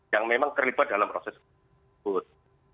yang memang terlibat dalam proses tersebut